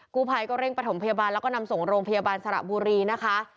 กู้ภัยก็เร่งประถมพยาบาลแล้วก็นำส่งโรงพยาบาลสระบุรีนะคะ